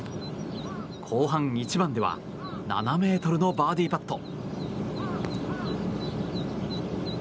後半１番では７ｍのバーディーパット。